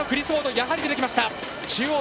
やはり出てきました、中央。